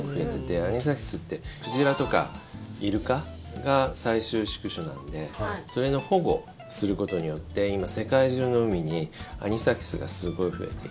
アニサキスって鯨とかイルカが最終宿主なんでそれの保護をすることによって今、世界中の海にアニサキスがすごい増えていて。